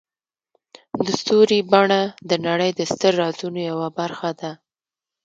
د ستوري بڼه د نړۍ د ستر رازونو یوه برخه ده.